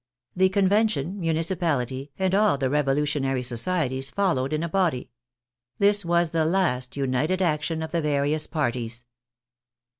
The Convention, Municipality, and all the revolutionary so cieties followed in a body. This was the last united action of the various parties.